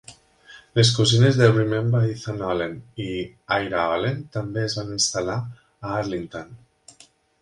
Les cosines de Remember Ethan Allen i Ira Allen també es van instal·lar a Arlington.